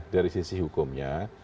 dari sisi hukumnya